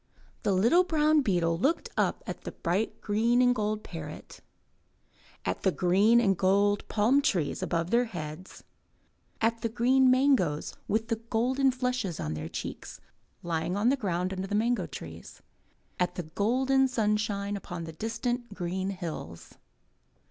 The little brown beetle looked up at the bright green and gold parrot, at the green and gold palm trees above their heads, at the green mangoes with golden flushes on their cheeks, lying on the ground under the mango trees, at the golden sunshine upon the distant green hills.